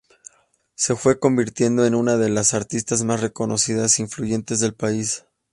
Se fue convirtiendo en una de las artistas más reconocidas e influyentes del país.